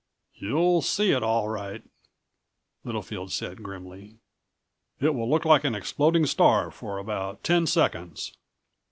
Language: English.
"You'll see it, all right," Littlefield said, grimly. "It will look like an exploding star for about ten seconds.